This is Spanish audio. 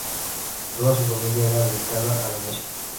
Toda su familia era dedicada a la música.